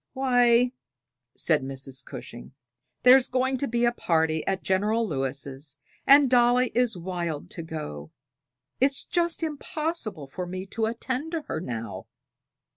"Why," said Mrs. Cushing, "there's going to be a party at General Lewis', and Dolly is wild to go. It's just impossible for me to attend to her now."